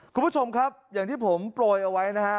คุณผู้ชมครับอย่างที่ผมโปรยเอาไว้นะฮะ